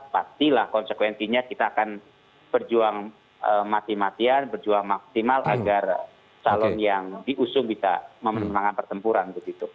pastilah konsekuensinya kita akan berjuang mati matian berjuang maksimal agar calon yang diusung bisa memenangkan pertempuran begitu